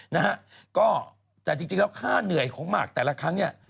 นะฮะก็แต่จริงแล้วค่าเหนื่อยของหมากแต่ละครั้งเนี่ย